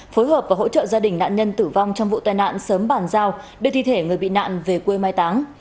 phối hợp và hỗ trợ gia đình nạn nhân tử vong trong vụ tai nạn sớm bàn giao đưa thi thể người bị nạn về quê mai táng